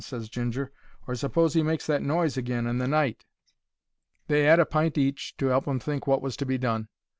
ses Ginger. "Or suppose he makes that noise agin in the night?" They 'ad a pint each to 'elp them to think wot was to be done.